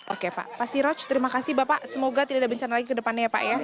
oke pak siroj terima kasih bapak semoga tidak ada bencana lagi ke depannya ya pak ya